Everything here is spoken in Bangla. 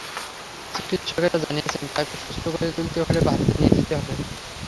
চিকিৎসকেরা জানিয়েছেন, তাঁকে সুস্থ করে তুলতে হলে ভারতে নিয়ে যেতে হবে।